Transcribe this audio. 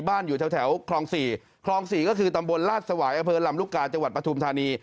บ้านอยู่แถวแถวคลองสี่คลองสี่ก็คือตำบลลาสวายอเภอลำรุกกาจังหวัดประทุมธารณี